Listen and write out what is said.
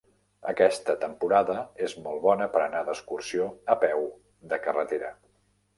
Aquesta temporada és molt bona per anar d'excursió a peu de carretera.